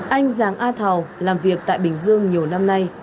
anh giáng a thảo làm việc tại bình dương nhiều năm nay